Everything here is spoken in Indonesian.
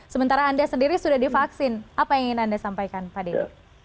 sementara anda sendiri sudah divaksin apa yang ingin anda sampaikan pak dede